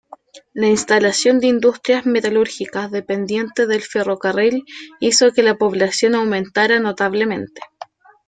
La instalación de industrias metalúrgicas dependientes del ferrocarril hizo que la población aumentara notablemente.